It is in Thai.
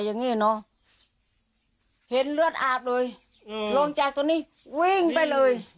อย่างนี้เนอะเห็นเลือดอาบเลยอืมลงจากตรงนี้วิ่งไปเลย